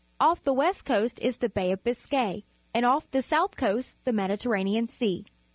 Off the west coast is the Baij of Biscay, and off the south coast the Mediterranean Sea.